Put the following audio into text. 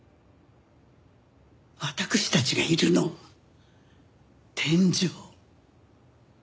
私たちがいるのは天上。